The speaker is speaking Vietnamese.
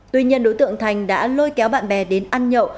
tuy nhiên đối tượng thành đã lôi kéo bạn bè đến ăn nhậu